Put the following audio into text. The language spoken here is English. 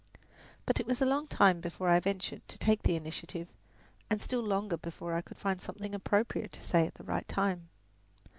But it was a long time before I ventured to take the initiative, and still longer before I could find something appropriate to say at the right time.